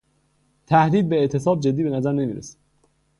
تهدید به اعتصاب جدی به نظر نمیرسید.